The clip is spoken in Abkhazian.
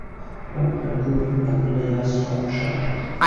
Уқәнаргылом адәны иасуа аԥша.